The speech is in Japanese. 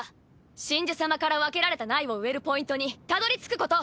神樹様から分けられた苗を植えるポイントにたどりつくこと。